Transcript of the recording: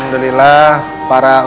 ustadz musa'i mulla dan santun